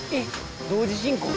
「同時進行で？」